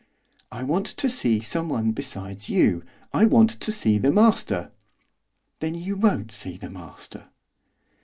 'I want to see someone besides you, I want to see the master.' 'Then you won't see the master!